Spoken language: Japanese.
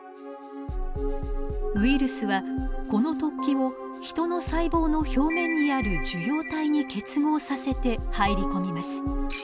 ウイルスはこの突起をヒトの細胞の表面にある受容体に結合させて入り込みます。